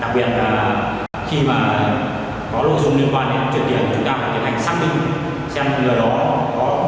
đặc biệt là khi mà có nội dung liên quan đến chuyển tiền chúng ta phải tiến hành xác định xem người đó có cục tên chính chủ